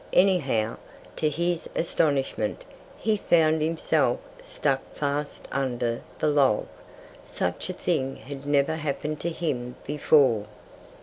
Anyhow, to his astonishment, he found himself stuck fast under the log. Such a thing had never happened to him before.